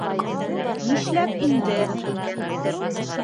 Нишләп инде...